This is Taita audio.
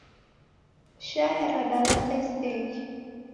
Shaya radalasa iseghe.